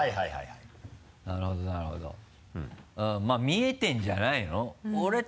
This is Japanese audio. まぁ見えてるんじゃないの？